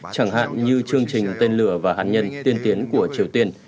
chẳng hạn như chương trình tên lửa và hạt nhân tiên tiến của triều tiên